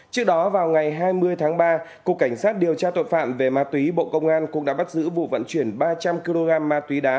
trước đó vào ngày hai mươi tháng ba cục cảnh sát điều tra tội phạm về ma túy bộ công an cũng đã bắt giữ vụ vận chuyển ba trăm linh kg ma túy đá